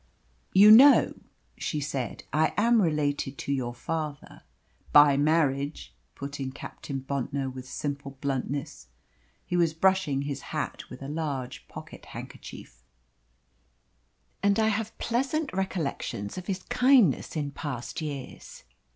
"You know," she said, "I am related to your father " "By marriage," put in Captain Bontnor, with simple bluntness. He was brushing his hat with a large pocket handkerchief. "And I have pleasant recollections of his kindness in past years.